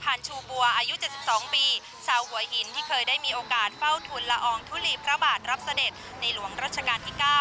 ชูบัวอายุ๗๒ปีชาวหัวหินที่เคยได้มีโอกาสเฝ้าทุนละอองทุลีพระบาทรับเสด็จในหลวงรัชกาลที่๙